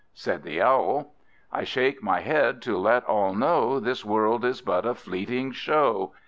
Said the Owl "I shake my head, to let all know This world is but a fleeting show.